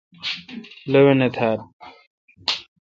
لوانہ تھال۔